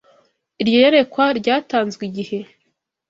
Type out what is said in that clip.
Iryo yerekwa ryatanzwe igihe